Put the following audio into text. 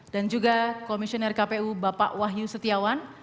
dan juga komisioner kpu bapak wahyu setiawan